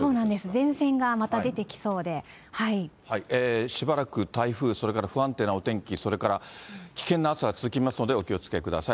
前線がまた出しばらく台風、それから不安定なお天気、それから危険な暑さが続きますので、お気をつけください。